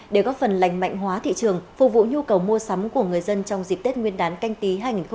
để góp phần lành mạnh hóa thị trường phục vụ nhu cầu mua sắm của người dân trong dịp tết nguyên đán canh tí hai nghìn hai mươi